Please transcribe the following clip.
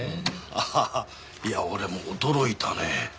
ああいや俺も驚いたね。